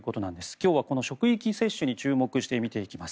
今日はこの職域接種に注目してみていきます。